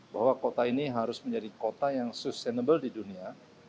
bahwa kota ini harus menjadi kota yang sustainable di dunia